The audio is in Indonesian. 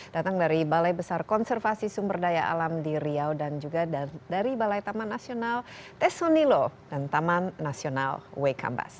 datang dari balai besar konservasi sumber daya alam di riau dan juga dari balai taman nasional tesonilo dan taman nasional wekabas